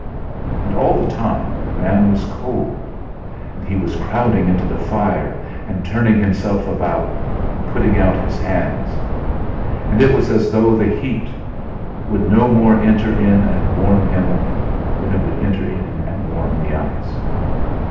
And all the time the man was cold; and he was crowding into the fire and turning himself about and putting out his hands. And it was as though the heat would no more enter in and warm him than it will enter in and warm the ice.